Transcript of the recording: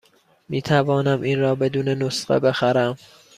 می توانم این را بدون نسخه بخرم؟